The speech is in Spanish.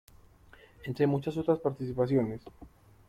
Entre muchas otras participaciones.